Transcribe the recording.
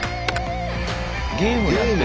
ゲームやってた。